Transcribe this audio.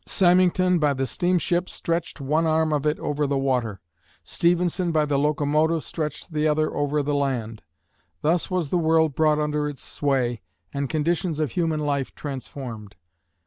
Symington by the steamship stretched one arm of it over the water; Stephenson by the locomotive stretched the other over the land. Thus was the world brought under its sway and conditions of human life transformed.